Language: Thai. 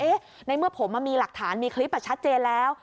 ในเมื่อผมมีหลักฐานมีคลิปชัดเจนแล้ว